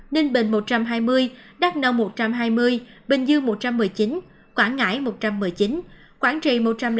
một trăm hai mươi tám ninh bình một trăm hai mươi đắk nông một trăm hai mươi bình dương một trăm một mươi chín quảng ngãi một trăm một mươi chín quảng trị